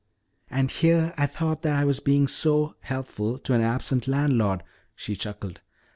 "And here I thought that I was being oh so helpful to an absent landlord," she chuckled.